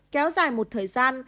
kéo dài một thời gian